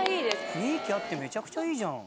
雰囲気あってめちゃくちゃいいじゃん。